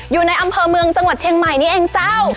อยู่ในอำเภอเมืองจังหวัดเชียงใหม่นี่เองเจ้า